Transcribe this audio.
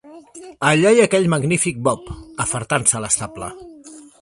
Allà hi ha aquell magnífic Bob, afartant-se a l'estable.